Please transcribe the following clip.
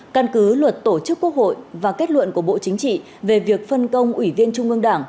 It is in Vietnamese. căn cứ luật tổ chức quốc hội và kết luận của bộ chính trị về việc phân công ủy viên trung ương đảng